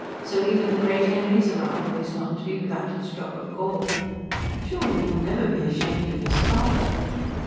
"So even the great Henry's arrival is not to be without its drop of gall." "Surely he'll never be ashamed of his father?"